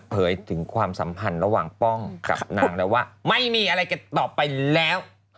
ถึงความสัมพันธ์ระหว่างป้องกับนางแล้วว่าไม่มีอะไรกันต่อไปแล้ว